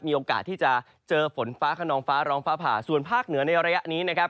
มีโอกาสที่จะเจอฝนฟ้าขนองฟ้าร้องฟ้าผ่าส่วนภาคเหนือในระยะนี้นะครับ